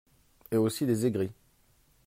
Et aussi des aigris